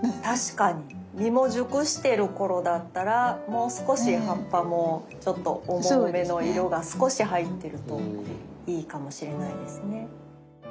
確かに実も熟してる頃だったらもう少し葉っぱもちょっと重めの色が少し入ってるといいかもしれないですね。